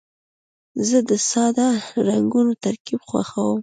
زه د ساده رنګونو ترکیب خوښوم.